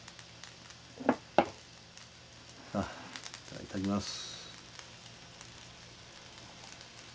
あいただきます。